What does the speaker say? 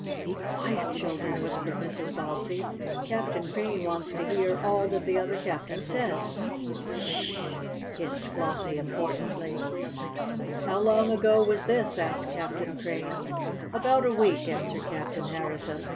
"Be quiet, children," whispered Mrs. Bobbsey. "Captain Crane wants to hear all that the other captain says." "S sh," hissed Flossie importantly. "How long ago was this?" asked Captain Crane. "About a week," answered Captain Harrison.